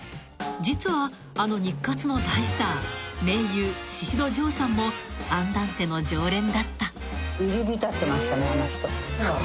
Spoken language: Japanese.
［実はあの日活の大スター名優宍戸錠さんもアンダンテの常連だった］